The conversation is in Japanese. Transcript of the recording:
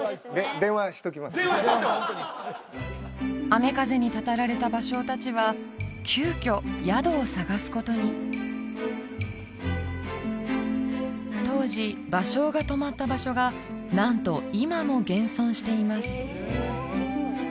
電話しとってホントに雨風にたたられた芭蕉達は急きょ宿を探すことに当時芭蕉が泊まった場所がなんと今も現存しています